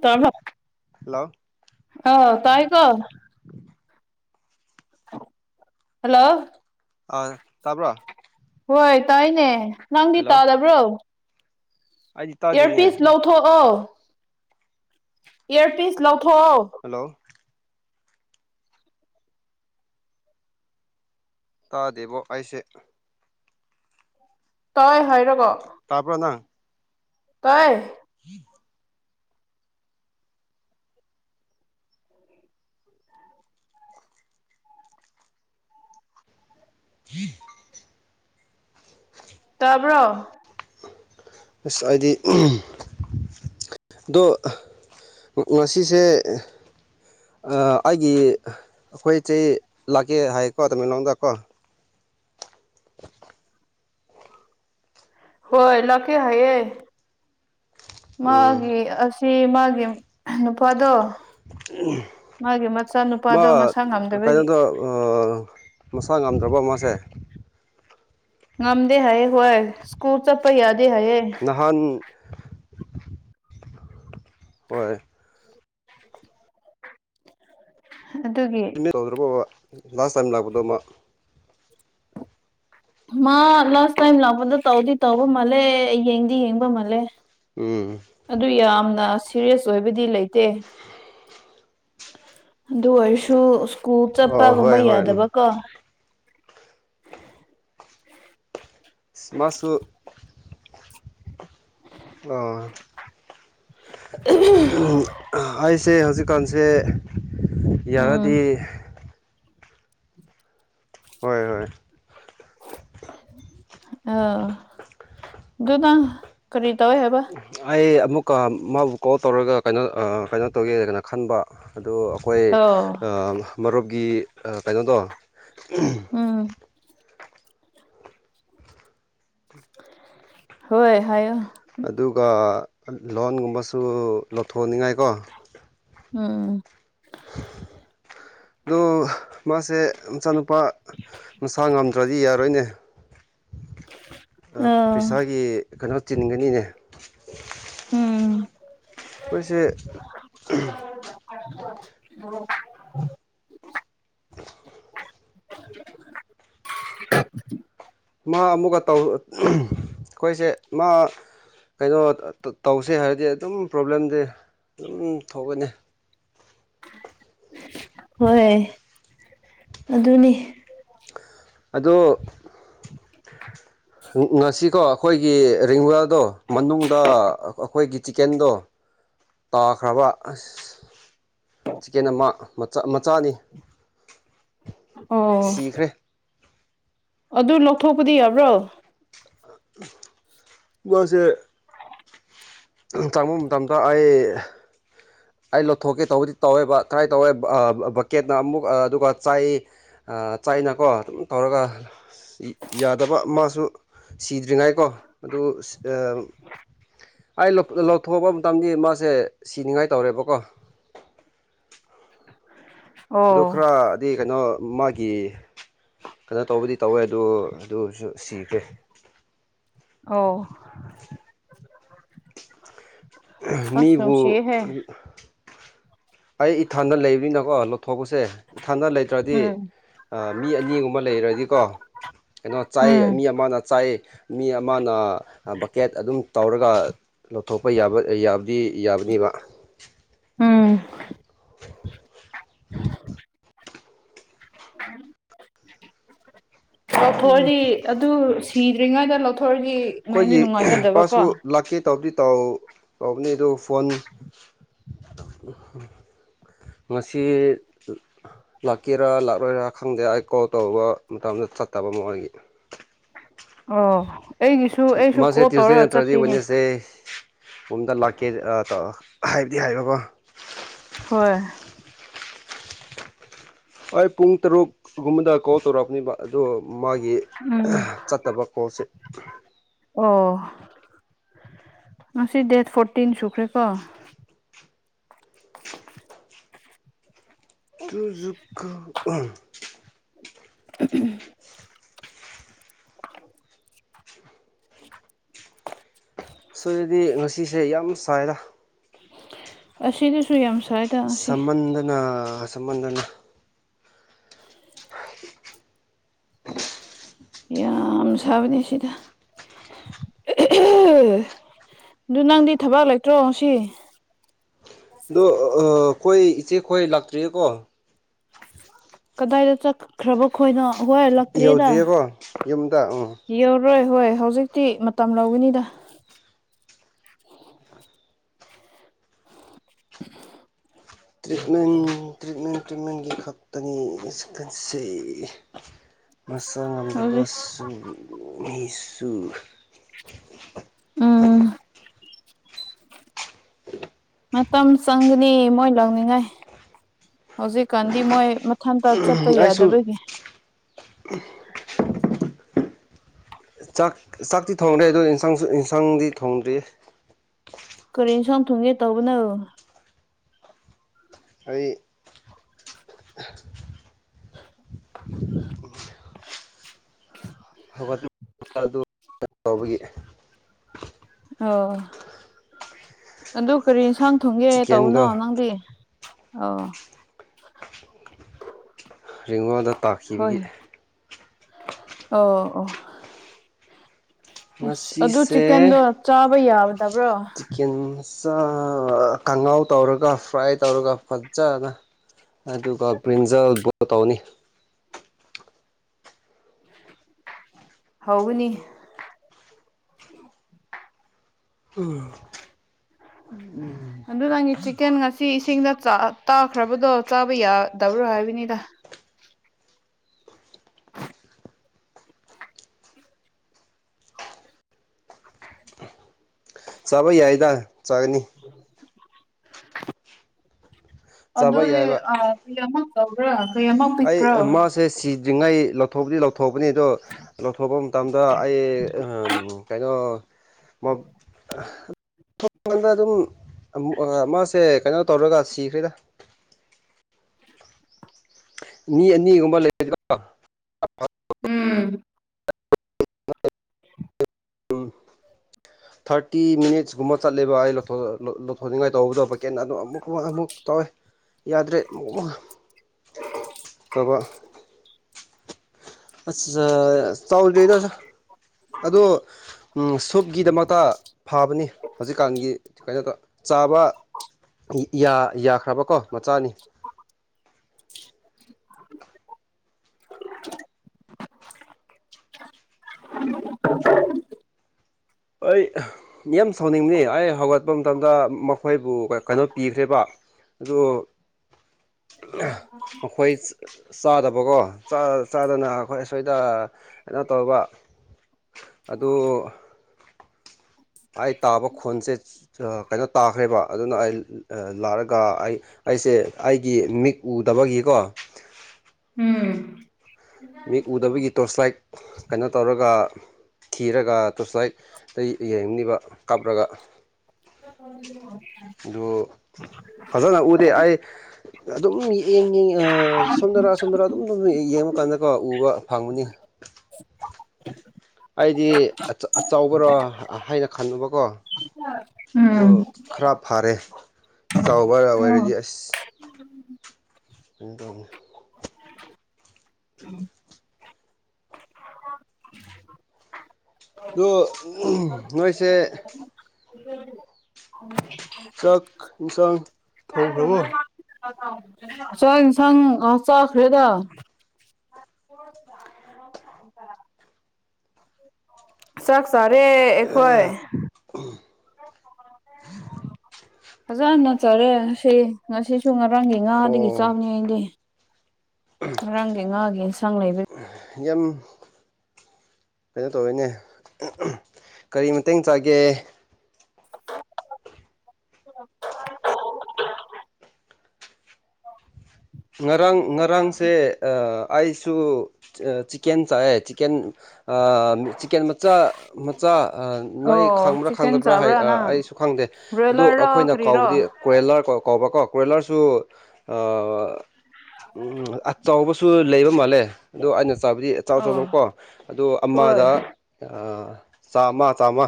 ꯇ ꯍ ꯍꯜꯂꯣ ꯑꯣ ꯇꯥꯏ ꯀꯣ ꯍꯜꯂꯣ ꯑꯥ ꯇꯥꯕ꯭ꯔꯣ ꯍꯣꯏ ꯇꯥꯥꯏꯅꯦ ꯅꯪꯗꯤ ꯍꯜꯂꯣ ꯇꯥꯕ꯭ꯔꯣ ꯑꯩꯗꯤ ꯇꯥꯗꯦꯅꯦ ꯏꯌꯔꯄꯤꯁ ꯂꯧꯊꯣꯛꯑꯣ ꯏꯌꯔꯄꯤꯁ ꯂꯧꯊꯣꯛꯑꯣ ꯍꯜꯂꯣ ꯇꯥꯗꯦꯕꯣ ꯑꯩꯁꯦ ꯇꯣꯏ ꯍꯥꯏꯔꯒ ꯇꯕ꯭ꯔꯣ ꯅꯪ ꯇꯥꯏ [unintelligible] [unintelligible] ꯇꯥꯕ꯭ꯔꯣ ꯏꯁ ꯑꯩꯗꯤ ꯑꯗꯨ ꯉꯁꯤꯁꯦ ꯑꯩꯒꯤ ꯑꯩꯈꯣꯏ ꯆꯩ ꯂꯥꯛꯀꯦ ꯍꯥꯏꯌꯦꯀꯣ ꯇꯃꯦꯡꯂꯣꯡꯗꯀꯣ ꯍꯣꯏ ꯂꯥꯛꯀꯦ ꯍꯥꯏꯌꯦ ꯎꯝ ꯃꯥꯒꯤ ꯑꯁ ꯁꯤ ꯃꯥꯒꯤ ꯅꯨꯄꯥꯗꯣ ꯃꯥꯒꯤ ꯃꯥ ꯃꯆꯥꯅꯨꯄꯥꯗꯣ ꯃꯁꯥ ꯉꯝꯗꯕꯒꯤ ꯀꯩꯅꯣꯗꯣ ꯃꯁꯥ ꯉꯝꯗ꯭ꯔꯕ ꯃꯁꯦ ꯉꯝꯗꯦ ꯍꯥꯏꯌꯦ ꯍꯌꯦ ꯁꯀꯨꯜ ꯆꯠꯄ ꯌꯥꯗꯦ ꯍꯥꯏꯌꯦ [unintelligible] ꯍꯣꯏ [unintelligible] ꯇꯧꯗ꯭ꯔꯕꯕ ꯂꯥꯁ ꯇꯥꯏꯝ ꯂꯥꯛꯄꯗꯣ ꯑꯃ ꯃꯥ ꯂꯥꯁ ꯇꯥꯏꯝ ꯂꯥꯛꯄꯗ ꯇꯧꯗꯤ ꯇꯧꯕ ꯃꯥꯜꯂꯦ ꯌꯦꯡꯗꯤ ꯌꯦꯡꯕ ꯃꯥꯜꯂꯦ ꯎꯝ ꯑꯗꯨ ꯌꯥꯝꯅ ꯁꯤꯔꯤꯌꯁ ꯑꯣꯏꯕꯗꯤ ꯂꯩꯇꯦ ꯑꯗꯨ ꯑꯣꯏꯔꯁꯨ ꯁ꯭ꯀꯨꯜ ꯑꯣ ꯆꯠꯄꯒꯨꯝꯕ ꯍꯣꯏ ꯍꯣꯏ ꯎꯝ ꯌꯥꯗꯕꯀꯣ ꯃꯥꯁꯨ [unintelligible] ꯑꯥ ꯑꯩꯁꯦ ꯍꯧꯖꯤꯛꯀꯥꯟꯁꯦ ꯎꯝ ꯌꯥꯔꯗꯤ ꯍꯣꯏ ꯍꯣꯏ ꯑꯗꯨꯗꯥ ꯀꯔꯤ ꯇꯧꯋꯦ ꯍꯥꯏꯕ ꯑꯩ ꯑꯃꯨꯛꯀ ꯃꯥꯕꯨ ꯀꯣꯜ ꯇꯧꯔꯒ ꯀꯩꯅꯣ ꯀꯩꯅꯣ ꯇꯧꯒꯦꯅ ꯈꯟꯕ ꯑꯣ ꯑꯩꯈꯣꯏ ꯑꯧ ꯃꯔꯨꯞꯀꯤ ꯀꯩꯅꯣꯗꯣ ꯎꯝ ꯍꯣꯏ ꯍꯥꯏꯌꯣ ꯑꯗꯨꯒ ꯂꯣꯟꯒꯨꯝꯕꯁꯨ ꯂꯧꯊꯣꯛꯅꯤꯡꯉꯥꯏꯀꯣ ꯎꯝ [unintelligible] ꯑꯣ ꯃꯥꯁꯦ ꯃꯆꯥꯅꯨꯄꯥ ꯃꯁꯥ ꯉꯝꯗ꯭ꯔꯗꯤ ꯌꯥꯔꯣꯏꯅꯦ ꯑꯥ ꯄꯩꯁꯥꯒꯤ ꯀꯩꯅꯣ ꯇꯤꯟꯒꯅꯤꯅꯦ ꯎꯝ ꯈꯣꯏꯁꯦ [unintelligible] ꯃꯥ ꯑꯃꯨꯛꯒ ꯇꯧ ꯈꯣꯏꯁꯦ ꯃꯥ ꯀꯩꯅꯣ ꯇꯧꯁꯦ ꯍꯥꯏꯔꯗꯤ ꯑꯗꯨꯝ ꯄ꯭ꯔꯣꯕ꯭ꯂꯦꯝꯗꯤ ꯑꯗꯨꯝ ꯊꯣꯛꯀꯅꯤ ꯍꯣꯏ ꯑꯗꯨꯅꯤ ꯑꯗꯣ [unintelligible] ꯉꯁꯤꯀꯣ ꯑꯩꯈꯣꯏꯒꯤ [unintelligible] ꯃꯅꯨꯡꯗ ꯑꯩꯈꯣꯏꯒꯤ ꯆꯤꯀꯦꯟꯗꯣ ꯇꯥꯈ꯭ꯔꯕꯥ ꯆꯤꯀꯦꯟ ꯑꯃ ꯃꯆꯥ ꯃꯆꯥꯅꯤ ꯑꯣ ꯁꯤꯈ꯭ꯔꯦ ꯑꯗꯨ ꯂꯧꯊꯣꯛꯄꯗꯤ ꯌꯥꯕ꯭ꯔꯣ ꯁꯦ ꯆꯪꯕ ꯃꯇꯝꯗ ꯑꯩ ꯑꯩ ꯂꯧꯠꯊꯣꯛꯀꯦ ꯇꯧꯕꯗꯤ ꯇꯧꯋꯦꯕ ꯀ꯭ꯔꯥꯏ ꯇꯧꯋꯦ ꯕꯛꯀꯦꯠꯅ ꯑꯃꯨꯛ ꯑꯗꯨꯒ ꯆꯥꯏ ꯆꯥꯏꯅꯀꯣ ꯑꯗꯨꯝ ꯇꯧꯔꯒ ꯌꯥꯗꯕ ꯃꯥꯁꯨ ꯁꯤ ꯗ꯭ꯔꯤꯉꯥꯏꯀꯣ ꯑꯗꯨ ꯑꯩ ꯂꯧꯊꯣꯛꯄ ꯃꯇꯝꯗꯤ ꯃꯥꯁꯦ ꯁꯤꯅꯤꯉꯥꯏ ꯇꯧꯔꯦꯕꯀꯣ ꯑꯣ ꯑꯗꯨ ꯈꯔꯗꯤ ꯀꯩꯅꯣ ꯃꯥꯒꯤ ꯀꯩꯅꯣ ꯇꯧꯕꯗꯤ ꯇꯧꯋꯦ ꯑꯗꯨ ꯑꯗꯨꯁꯨ ꯁꯤꯈ꯭ꯔꯦ ꯑꯣ ꯑꯁ ꯅꯕꯨ ꯅꯨꯡꯁꯤꯍꯦ ꯑꯩ ꯏꯊꯟꯗ ꯂꯩꯕꯤꯅꯀꯣ ꯍꯜꯂꯣ ꯊꯣꯛꯄꯁꯦ ꯏꯊꯟꯗ ꯂꯩꯇ꯭ꯔꯗꯤ ꯎꯝ ꯃꯤ ꯑꯅꯤꯒꯨꯝꯕ ꯂꯩꯔꯗꯤꯀꯣ ꯀꯩꯅꯣ ꯆꯥꯏ ꯎꯝ ꯃꯤ ꯑꯃꯅ ꯆꯥꯏ ꯃꯤ ꯑꯃꯅ ꯕꯛꯀꯦꯠ ꯑꯗꯨꯝ ꯇꯧꯔꯒ ꯂꯧꯊꯣꯛꯄ ꯌꯥꯕ ꯌꯥꯕꯗꯤ ꯌꯥꯕꯅꯤꯕ ꯎꯝ ꯑꯣ ꯊꯖꯤ ꯑꯗꯨ ꯁꯤꯗ꯭ꯔꯤꯉꯩꯗ ꯂꯧꯊꯣꯔꯒꯤ ꯑꯩꯈꯣꯏꯒꯤ ꯄꯁꯨ ꯂꯥꯛꯀꯦ ꯇꯧꯕꯗꯤ ꯇꯥꯎ ꯇꯥꯎꯕꯅꯤ ꯑꯗꯨ ꯐꯣꯟ ꯃꯁꯤ ꯂꯥꯛꯀꯦꯔꯥ ꯂꯥꯛꯂꯣꯏꯔꯥ ꯈꯪꯗꯦ ꯑꯩ ꯀꯣꯜ ꯇꯧꯔꯨ ꯃꯇꯝꯗ ꯆꯠꯇꯕ ꯑꯃ ꯑꯣꯏꯒꯤ ꯑꯣ ꯑꯩꯒꯤꯁꯨ ꯑꯩꯁꯨ ꯀꯣꯜ ꯇꯧꯔꯒ ꯆꯠꯇꯦꯅꯦ ꯇ ꯄꯣꯝꯗ ꯂꯥꯛꯀꯦ ꯍꯥꯏꯕꯗꯤ ꯍꯥꯏꯕꯒ ꯍꯣꯏ ꯑꯩ ꯄꯨꯡ ꯇꯔꯨꯛꯒꯨꯝꯕꯗ ꯀꯣꯜ ꯇꯧꯔꯛꯑꯄꯅꯦꯕ ꯑꯗꯣ ꯃꯥꯒꯤ ꯎꯝ ꯆꯠꯇꯕ ꯀꯣꯜꯁꯦ ꯑꯣ ꯉꯁꯤ ꯗꯦꯠ ꯐꯣꯔꯇꯤꯟ ꯁꯨꯈ꯭ꯔꯦꯀꯣ ꯇꯖꯨꯛꯀ ꯎ ꯁꯣꯏꯗꯗꯤ ꯉꯁꯤꯁꯦ ꯌꯥꯝ ꯁꯥꯏꯔ ꯑꯁꯤ ꯑꯁꯤꯗꯤꯁꯨꯨ ꯌꯥꯝ ꯁ꯭ꯋꯥꯏꯗ ꯉꯁꯤ ꯁꯃꯟꯗꯅ ꯁꯃꯟꯗꯅ ꯌꯥꯝ ꯁꯥꯕꯅꯦ ꯁꯤꯗ ꯑꯗꯨ ꯅꯪꯗꯤ ꯊꯕꯥꯛ ꯂꯩꯇ꯭ꯔꯣ ꯁꯤ ꯑꯗꯣ ꯑꯩꯈꯣꯏ ꯏꯆꯦ ꯈꯣꯏ ꯂꯥꯛꯇ꯭ꯔꯤꯌꯦ ꯀꯣ ꯀꯗꯥꯏꯗ ꯆꯠꯈ꯭ꯔꯕ ꯈꯣꯏꯅꯣ ꯍꯂꯛꯇ꯭ꯔꯔꯤꯗ ꯌꯧꯗ꯭ꯔꯤꯌꯦꯀꯣ ꯌꯨꯝꯗ ꯎꯝ ꯌꯧꯔꯣꯏ ꯍꯣꯏ ꯍꯧꯖꯤꯛꯇꯤ ꯃꯇꯝ ꯂꯧꯒꯅꯤꯗ ꯇ꯭ꯔꯤꯠꯃꯦꯟ ꯇ꯭ꯔꯤꯠꯃꯦꯟ ꯇ꯭ꯔꯤꯠꯃꯦꯟꯒꯤ ꯈꯛꯇꯅꯤ ꯈꯟꯁ ꯃꯁꯆꯥ ꯍꯧꯖꯤꯛ ꯉꯝꯗꯕꯁꯨ ꯃꯤꯁꯨ ꯎꯝ ꯃꯇꯝ ꯆꯪꯒꯅꯤ ꯃꯣꯏ ꯂꯧꯅꯤꯡꯉꯥꯏ ꯍꯧꯖꯤꯛꯀꯥꯟꯗꯤ ꯃꯣꯏ ꯃꯊꯟꯇ ꯆꯠꯄ ꯑꯩꯁꯨ ꯌꯥꯗꯕꯒꯤ ꯆꯥꯛ ꯆꯥꯛꯇꯤ ꯊꯣꯡꯗ꯭ꯔꯦ ꯑꯗ ꯏꯟꯁꯥꯡꯁꯨ ꯏꯟꯁꯥꯡꯗꯤ ꯊꯣꯡꯗ꯭ꯔꯤ ꯀꯔꯤꯦꯟ ꯁꯣꯝ ꯊꯨꯡꯒꯦ ꯇꯧꯕꯅꯣ ꯑꯩ [inaudible] ꯎ [inaudible] ꯍꯧꯒꯠ ꯑꯗꯨ ꯇꯧꯕꯒꯤ ꯑꯣ ꯑꯗꯨ ꯀꯔꯤ ꯏꯟꯁꯥꯡ ꯊꯣꯡꯒꯦ ꯆꯤꯛꯀꯦꯟꯗꯣ ꯇꯧꯕꯅꯣ ꯅꯪꯗꯤ ꯑꯣ [unintelligible] [inaudible] ꯔꯤꯋꯥꯜꯗ ꯇꯥꯈꯤꯕꯒꯤ ꯍꯣꯏ ꯑꯣ ꯑꯣ [unintelligible] [inaudible] ꯑ ꯑꯗꯨ ꯉꯁꯤꯁꯦ ꯆꯤꯛꯀꯟꯗꯣ ꯆꯥꯕ ꯌꯥꯕ ꯆꯤꯀꯦꯟ ꯈꯉꯥꯎ ꯇꯧꯔꯒ ꯐ꯭ꯔꯥꯏ ꯇꯧꯔꯒ ꯐꯖꯅ ꯑꯗꯨꯒ ꯕ꯭ꯔꯤꯟꯖꯜ ꯇꯧꯅꯤ ꯍꯅꯤ [inaudible] [unintelligible] ꯎꯝ ꯎꯝ [unintelligible] [inaudible] ꯑꯗꯨ ꯅꯪꯒꯤ ꯆꯤꯛꯀꯟ ꯉꯁꯤ ꯏꯁꯤꯡꯗ ꯇꯥꯈ꯭ꯔꯕꯗꯣ ꯆꯥꯕ ꯌꯥꯗꯕ꯭ꯔꯣ ꯍꯥꯏꯕꯅꯤꯗ ꯆꯥꯕ ꯌꯥꯏꯗ ꯆꯥꯒꯅꯤ [unintelligible] ꯆꯥꯕ ꯑꯗꯨꯗꯤ ꯌꯥꯏꯕ ꯑ ꯀꯃꯥꯃꯛ ꯇꯧꯕ꯭ꯔꯥ ꯀꯌꯥꯃꯛ ꯑꯩ ꯄꯤꯛꯄ꯭ꯔꯣ ꯃꯥꯁꯦ [unintelligible] ꯂꯧꯊꯣꯛꯄꯗꯤ ꯂꯧꯊꯣꯛꯄꯅꯤ ꯑꯗꯣ ꯂꯧꯊꯣꯛꯄ ꯃꯇꯝꯗ ꯑꯩ [unintelligible] ꯀꯩꯅꯣ ꯃꯞ [unintelligible] ꯑꯗꯨꯝ ꯃꯥꯁꯦ ꯀꯩꯅꯣ ꯇꯧꯔꯒ ꯁꯤꯈ꯭ꯔꯦꯗ ꯃꯤ ꯑꯅꯤꯒꯨꯝꯕ ꯂꯩ [unintelligible] ꯎꯝ ꯊꯥꯔꯇꯤ ꯃꯤꯅꯤꯠꯁꯀꯨꯝꯕ ꯆꯠꯂꯦꯕ ꯑꯩ ꯂꯧꯊꯣꯛ ꯂꯧꯊꯣꯛꯅꯤꯡꯉꯥꯏ ꯇꯧꯕꯗꯣ ꯀꯦꯟꯗꯣ ꯑꯃꯨꯛ ꯑꯃꯨꯛ ꯇꯧꯋꯦ ꯌꯥꯗ꯭ꯔꯦ ꯑꯃꯨꯛ ꯑꯃꯨꯛ ꯇꯧꯕ ꯑꯁ ꯑ ꯆꯥꯎꯗ꯭ꯔꯤꯗ ꯑꯗꯨ ꯎꯝ ꯁꯨꯞꯀꯤꯗꯃꯛꯇ ꯐꯕꯅꯤ ꯍꯧꯖꯤꯛꯀꯥꯟꯒꯤ ꯀꯩꯅꯣꯗ ꯆꯥꯕ ꯌꯥ ꯌꯥꯈ꯭ꯔꯕꯀꯣ ꯃꯆꯥꯅꯤ [inaudible] [inaudible] ꯑꯩ [unintelligible] ꯌꯥꯝ ꯁꯥꯎꯅꯤꯡꯕꯅꯤ ꯑꯩ ꯍꯧꯒꯠꯄ ꯃꯇꯝꯗ ꯃꯈꯣꯏꯕꯨ ꯀꯩꯅꯣ ꯄꯤꯈ꯭ꯔꯦꯕ ꯑꯗꯨ ꯃꯈꯣꯏ ꯆꯥꯗꯕꯀꯣ ꯆꯥ ꯆꯥꯗꯅ ꯑꯩꯈꯣꯏ ꯑꯁꯣꯏꯗ ꯀꯩꯅꯣ ꯇꯧꯔꯒ ꯑꯗꯨ ꯑꯩ ꯇꯥꯕ ꯈꯨꯟꯁꯦ ꯀꯩꯅꯣ ꯇꯥꯈ꯭ꯔꯦꯕ ꯑꯗꯨꯅ ꯑꯩ ꯂꯥꯛꯔꯒ ꯑꯩ ꯑꯩꯁꯦ ꯑꯩꯒꯤ ꯃꯤꯠ ꯎꯗꯕꯒꯤꯀꯣ ꯎꯝ ꯃꯤꯠ ꯎꯗꯕꯒꯤ ꯇꯣꯔꯁ ꯂꯥꯏꯠ ꯀꯩꯅꯣ ꯇꯧꯔꯒ ꯊꯤꯔꯒ ꯇꯨꯁꯂꯥꯏꯠ ꯑꯩ ꯌꯦꯡꯅꯤꯕ ꯀꯥꯞꯂꯒ [unintelligible] ꯑꯗꯨ ꯐꯖꯅ ꯎꯗꯦ ꯑꯩ ꯑꯗꯨꯝ ꯌꯦꯡꯉꯤ ꯑ ꯁꯣꯝꯗꯔꯥ ꯁꯣꯝꯗꯔꯥ ꯑꯗꯨꯝ ꯑꯗꯨꯝ ꯌꯦꯡꯉꯀꯥꯟꯗꯀꯣ ꯎꯕ ꯐꯪꯕꯅꯤ ꯑꯩꯗꯤ ꯑ ꯑꯆꯧꯕꯔꯣ ꯍꯥꯏꯅ ꯈꯜꯂꯨꯕꯀꯣ [unintelligible] ꯑꯗꯨ ꯈꯔ ꯐꯔꯦ ꯆꯥꯎꯕ ꯑꯣꯏꯔꯗꯤ ꯑꯁ [unintelligible] [unintelligible] [unintelligible] ꯗꯨ [unintelligible] ꯅꯣꯏꯁꯦ [unintelligible] [unintelligible] ꯆꯥꯛ ꯏꯟꯁꯥꯡ ꯊꯣꯡꯈ꯭ꯔꯕꯣ [unintelligible] ꯆꯥꯛ ꯏꯟꯁꯥꯡ ꯑ ꯆꯥꯈ꯭ꯔꯦꯗ ꯆꯥꯛ ꯆꯥꯔꯦ ꯑꯩꯈꯣꯏ ꯐꯖꯥꯅ ꯆꯥꯔꯦ ꯉꯁꯤ ꯉꯁꯤꯁꯨ ꯉꯔꯥꯡꯒꯤ ꯉꯥꯗꯒꯤ ꯑꯣ ꯆꯥꯕꯅꯤ ꯑꯩꯗꯤ ꯉꯔꯥꯡꯒꯤ ꯉꯥꯒꯤ ꯏꯟꯁꯥꯡ ꯂꯩꯕꯩ ꯌꯥꯝ ꯀꯩꯅꯣ ꯇꯧꯔꯤꯅꯦ ꯀꯔꯤ ꯃꯇꯦꯡ ꯆꯥꯒꯦ ꯉꯔꯥꯡ ꯉꯔꯥꯡꯁꯦ ꯑ ꯑꯩꯁꯨ ꯆꯤꯀꯦꯟ ꯆꯥꯏꯌꯦ ꯆꯤꯀꯦꯟ ꯑ ꯆꯤꯀꯦꯟ ꯃꯆꯥ ꯆꯥ ꯑ ꯅꯣꯏ ꯑꯣ ꯈꯪꯕ꯭ꯔꯥ ꯆꯤꯛꯀꯟ ꯈꯪꯗꯕ꯭ꯔꯥ ꯍꯥꯏ ꯆꯥꯕ꯭ꯔꯥ ꯅꯪ ꯑꯩꯁꯨ ꯈꯪꯗꯦ ꯑꯗꯣ ꯕ꯭ꯔꯣꯏꯂꯔꯔꯣ ꯑꯩꯈꯣꯏꯅ ꯀꯔꯤꯔꯣ ꯀꯥꯎꯕꯗꯤ ꯀꯣꯏꯂꯔ ꯀꯣ ꯀꯧꯕ ꯀꯣ ꯀꯣꯏꯂꯔꯁꯨ ꯑ ꯎꯝ ꯑꯆꯧꯕꯁꯨ ꯂꯩꯕ ꯃꯥꯜꯂꯦ ꯑꯗꯣ ꯑꯩꯅ ꯆꯥꯕꯗꯤ ꯑꯆꯥ ꯑꯥꯎ ꯑꯁꯨꯧꯕꯀꯣ ꯑꯗꯣ ꯍꯣꯏ ꯑꯃꯗ ꯆꯥꯃ ꯆꯥꯝꯃ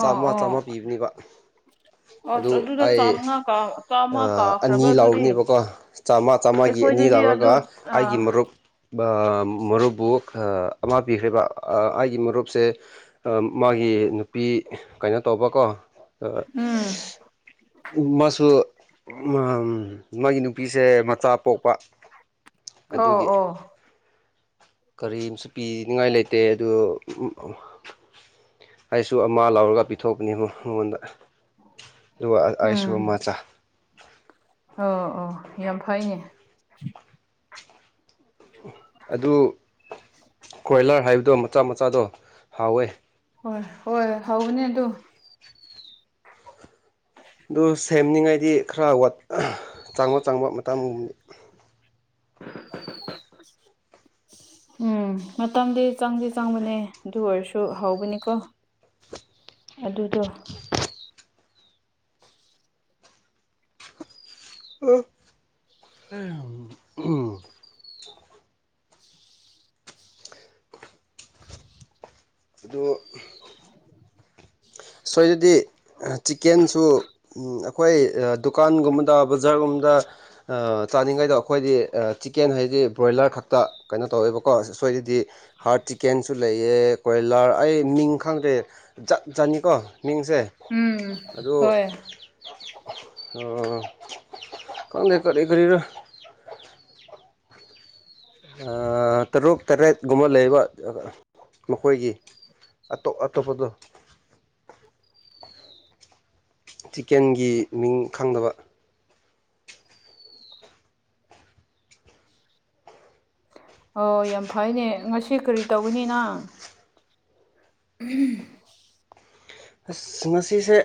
ꯆꯥꯝꯃ ꯆꯥꯝꯃ ꯄꯤꯕꯅꯦꯕ ꯑꯣ ꯑꯗꯨ ꯑꯁ ꯑꯗꯨꯗ ꯑꯩ ꯆꯥꯃꯉꯥ ꯀꯥ ꯆꯥꯝꯃ ꯑꯅꯤ ꯀꯥꯈ꯭ꯔꯕ꯭ꯔꯥ ꯑꯗꯨꯗꯤ ꯂꯥꯎꯕꯅꯦꯕ ꯀꯣ ꯆꯥꯝꯃ ꯆꯥꯝꯃꯥꯒꯤ ꯑꯅꯤ ꯑꯩꯈꯣꯏꯗꯗꯤ ꯑꯗꯨ ꯂꯧꯔꯒ ꯑ ꯑꯩꯒꯤ ꯃꯔꯨꯞ ꯃꯔꯨꯞꯕꯨ ꯑꯃ ꯄꯤꯈ꯭ꯔꯦꯕ ꯑꯩꯒꯤ ꯃꯔꯨꯞꯁꯦ ꯃꯥꯒꯤ ꯅꯨꯄꯤ ꯀꯩꯅꯣ ꯇꯧꯕꯀꯣ ꯑ ꯎꯝ ꯃꯥꯁꯨ ꯃꯥꯒꯤ ꯅꯨꯄꯤꯁꯦ ꯃꯆꯥ ꯄꯣꯛꯄ ꯑꯣ ꯑꯗꯨꯒꯤ ꯑꯣ ꯀꯔꯤꯝꯁꯨ ꯄꯤꯅꯤꯡꯉꯥꯏ ꯂꯩꯇꯦ ꯑꯗꯨ ꯑꯩꯁꯨ ꯑꯃ ꯂꯧꯔꯒ ꯄꯤꯊꯣꯛꯄꯅꯦ ꯃꯉꯣꯟꯗ ꯑꯗꯨꯒ ꯑꯩꯁꯨ ꯎꯝ ꯑꯃ ꯆꯥꯏ ꯑꯣ ꯑꯣ ꯌꯥꯝ ꯐꯩꯅꯦ ꯑꯗꯨ ꯀꯣꯏꯂꯔ ꯍꯥꯏꯕꯗꯣ ꯃꯆꯥ ꯃꯆꯥꯗꯣ ꯍꯥꯎꯋꯦ ꯍꯣꯏ ꯍꯣꯏ ꯍꯥꯎꯕꯅꯦ ꯑꯗꯨ ꯑꯗꯨ ꯁꯦꯝꯅꯤꯡꯉꯥꯏꯗꯤ ꯈꯔ ꯆꯥꯡꯕ ꯆꯥꯡꯕ ꯃꯇꯥꯡꯒꯨꯝ [inaudible] ꯎꯝ ꯃꯇꯝꯗꯤ ꯆꯪꯗꯤ ꯆꯪꯕꯅꯦ ꯑꯗꯨ ꯑꯣꯏꯔꯁꯨ ꯍꯥꯎꯕꯅꯤꯀꯣ ꯑꯗꯨꯗꯣ ꯑꯣ ꯑꯗꯣ ꯁꯣꯏꯗꯗꯤ ꯆꯤꯀꯦꯟꯁꯨ ꯑꯩꯈꯣꯏ ꯗꯨꯀꯥꯟꯒꯨꯝꯕꯗ ꯕꯖꯥꯔꯒꯨꯝꯕꯗ ꯆꯥꯅꯤꯡꯉꯩꯗ ꯑꯩꯈꯣꯏꯗꯤ ꯆꯤꯛꯀꯦꯟ ꯍꯥꯏꯗꯤ ꯕ꯭ꯔꯣꯏꯂꯔ ꯈꯛꯇ ꯀꯩꯅꯣ ꯇꯧꯋꯦꯕꯀꯣ ꯑ ꯁꯣꯏꯗꯗꯤ ꯍꯥꯔꯠ ꯆꯤꯛꯀꯦꯟꯁꯨ ꯂꯩꯑ ꯀꯣꯏꯂꯔ ꯑꯩ ꯃꯤꯡ ꯈꯪꯗ꯭ꯔꯦ ꯖꯠ ꯖꯥꯠꯅꯤ ꯀꯣ ꯃꯤꯡꯁꯦ ꯎꯝ ꯑꯗꯨ ꯍꯣꯏ ꯎꯝ ꯈꯪꯗꯦ ꯀꯔꯤ‌ ꯀꯔꯤꯔ ꯇꯔꯨꯛ ꯇꯔꯦꯠꯀꯨꯝꯕ ꯂꯩꯕ ꯃꯈꯣꯏꯒꯤ ꯑꯇꯣꯞ ꯑꯇꯣꯞꯄꯗꯨ ꯆꯤꯀꯦꯟꯒꯤ ꯃꯤꯡ ꯈꯪꯗꯕ ꯑꯣ ꯌꯥꯝ ꯐꯩꯅꯦ ꯉꯁꯤ ꯀꯔꯤ ꯇꯧꯒꯅꯤ ꯅꯪ ꯑꯁ ꯉꯁꯤꯁꯦ